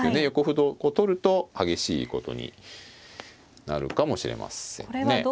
横歩こう取ると激しいことになるかもしれませんね。